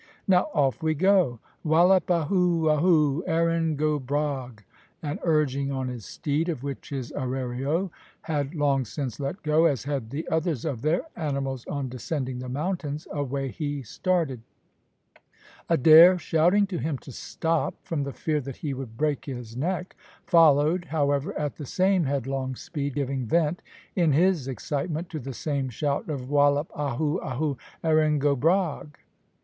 Now off we go. `Wallop ahoo! ahoo! Erin go bragh!'" And urging on his steed, of which his arriero had long since let go, as had the others of their animals on descending the mountains, away he started; Adair shouting to him to stop, from the fear that he would break his neck, followed, however, at the same headlong speed, giving vent, in his excitement, to the same shout of "Wallop ahoo! ahoo! Erin go bragh!"